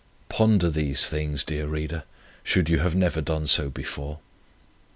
Ponder these things, dear reader, should you have never done so before.